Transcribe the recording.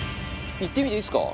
いってみていいですか？